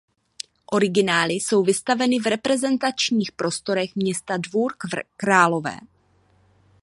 Originály jsou vystaveny v reprezentačních prostorech města Dvůr Králové.